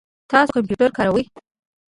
تاسو کمپیوټر کاروئ؟